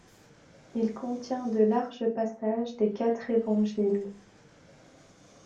Il contient de larges passages des quatre évangiles.